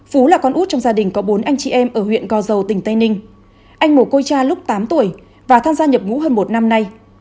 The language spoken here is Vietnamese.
phú là con út trong gia đình có bốn anh chị em ở huyện go dầu tỉnh tây ninh anh một cô cha lúc tám tuổi và tham gia nhập ngũ hơn một năm nay